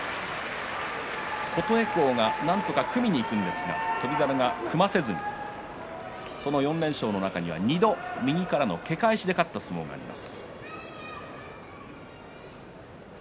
琴恵光が、なんとか組みにいくんですが翔猿が組ませずに４連勝の中には２度右からのけ返しで勝った相撲があります。